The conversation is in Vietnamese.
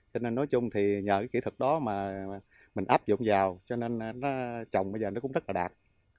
cho nên nói chung thì nhờ cái kỹ thuật đó mà mình áp dụng vào cho nên nó trồng bây giờ nó cũng rất là đạt